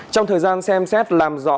trong thời gian xem xét làm rõ